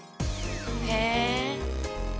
へえ。